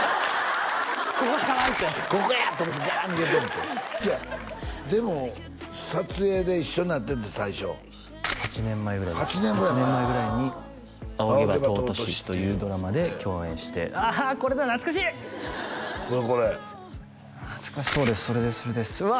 ここしかないってここやと思うてガーッ逃げてんていやでも撮影で一緒になってる最初８年前ぐらいですね８年前ぐらいに「仰げば尊し」というドラマで共演してああこれだ懐かしいこれこれ懐かしいそうですそれですそれですうわ